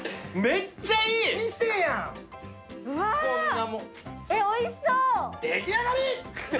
めっちゃおいしそう。